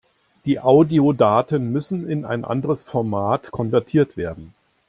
Die Audiodaten müssen in ein anderes Format konvertiert werden.